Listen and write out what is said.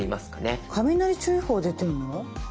雷注意報出てるの？